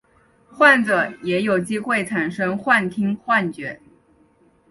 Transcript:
患者也有机会产生幻听幻觉。